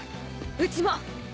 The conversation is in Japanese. うちも！